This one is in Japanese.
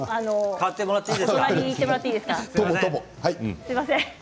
隣に行ってもらっていいですか。